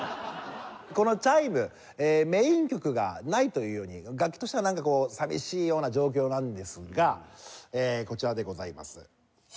このチャイムメイン曲がないというように楽器としてはなんかこう寂しいような状況なんですがこちらでございます。